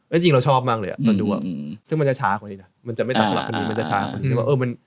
แล้วจริงเราชอบมากเลยตอนดูซึ่งมันจะช้ากว่านี้นะมันจะไม่ต้องสลับพอดีมันจะช้ากว่านี้